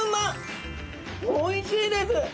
おいしいです！